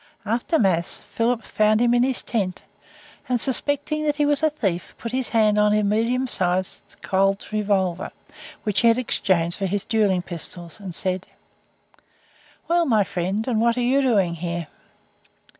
After Mass, Philip found him in his tent, and suspecting that he was a thief put his hand on a medium sized Colt's revolver, which he had exchanged for his duelling pistols, and said: "Well, my friend, and what are you doing here?"